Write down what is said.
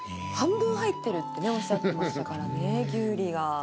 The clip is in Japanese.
半分入ってるってねおっしゃってましたからねキュウリが。